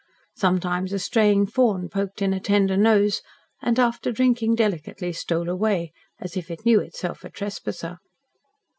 Sometimes a straying fawn poked in a tender nose, and after drinking delicately stole away, as if it knew itself a trespasser.